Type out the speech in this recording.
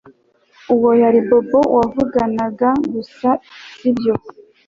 Uwo yari Bobo wavuganaga gusa sibyo